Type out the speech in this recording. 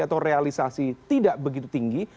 atau realisasi tidak begitu tinggi